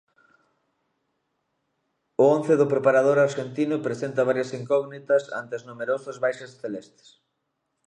O once do preparador arxentino presenta varias incógnitas ante as numerosas baixas celestes.